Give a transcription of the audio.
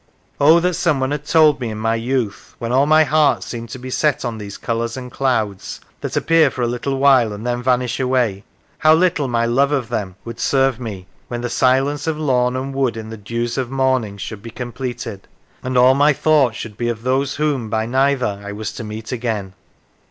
Oh that someone had told me, in my youth, when all my heart seemed to be set on these colours and clouds, that appear for a little while, and then vanish away, how little my love of them would serve me, when the silence of lawn and wood in the dews of the morning should be completed, and all my thoughts should be of those whom by neither I was to meet again."